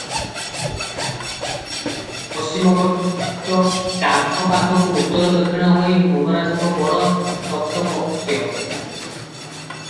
ପଶ୍ଚିମ ପଟ କାନ୍ଥ ପାଖକୁ ଉତ୍ତର ଦକ୍ଷିଣ ହୋଇ ମଙ୍ଗରାଜଙ୍କ ବଡ଼ ତକ୍ତପୋଷ ।